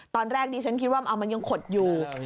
ตอนแรกดิฉันคิดว่ามันยังขดอยู่